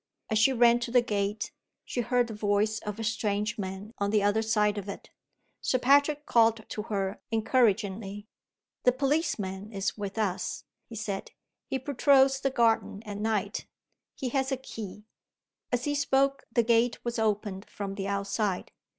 As she ran to the gate, she heard the voice of a strange man on the other side of it. Sir Patrick called to her encouragingly. "The police man is with us," he said. "He patrols the garden at night he has a key." As he spoke the gate was opened from the outside.